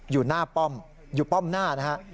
อยู่หน้าป้อมอยู่ป้อมหน้านะฮะ